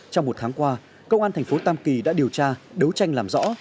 trong một tháng qua công an tp tâm kỳ đã điều tra đấu tranh làm rõ